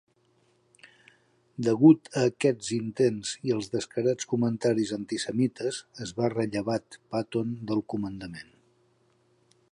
Degut a aquests intents i als descarats comentaris antisemites, es va rellevat Patton del comandament.